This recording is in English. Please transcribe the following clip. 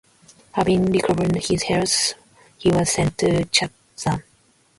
Having recovered his health he was sent to Chatham.